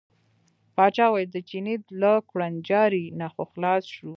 پاچا وویل د چیني له کوړنجاري نه خو خلاص شو.